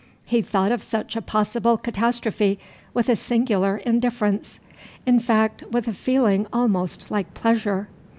He thought of such a possible catastrophe with a singular indifference, in fact with a feeling almost like pleasure.